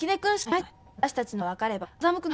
はい。